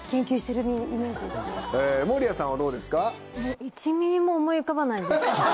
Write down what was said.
守屋さんはどうですか？